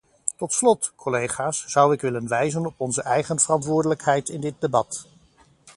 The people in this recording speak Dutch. Tot slot, collega's, zou ik willen wijzen op onze eigen verantwoordelijkheid in dit debat.